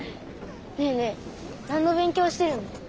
ねえねえ何の勉強してるの？